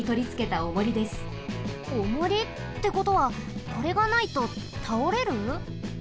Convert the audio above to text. おもり？ってことはこれがないとたおれる？